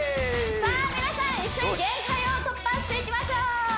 さあ皆さん一緒に限界を突破していきましょう！